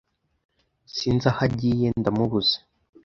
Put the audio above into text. sinzi aho agiye ndamubuze